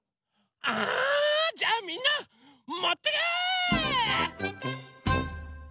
あじゃあみんなもってけ！